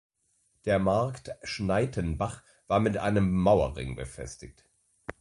Der Markt Schnaittenbach war mit einem Mauerring befestigt.